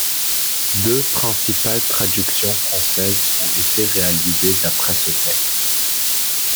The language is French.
Deux principales traductions françaises ont été réalisées d’après ce texte.